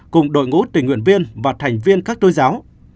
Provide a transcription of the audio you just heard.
cùng đội ngũ tình nguyện viên và thành viên các tôn giáo